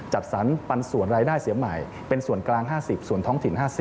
จัดสรรปันส่วนรายได้เสียใหม่เป็นส่วนกลาง๕๐ส่วนท้องถิ่น๕๐